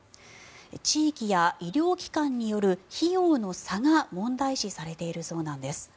地域や医療機関による費用の差が問題視されているそうなんです。